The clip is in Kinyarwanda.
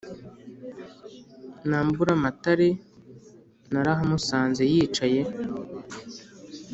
Na Mburamatare narahamusanze yicaye